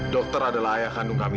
dokter adalah ayah kandung kami